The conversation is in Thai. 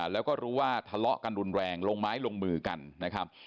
แล้วก็รู้ว่าทะเลาะกันรุนแรงลงไม้ลงมือกันนะครับ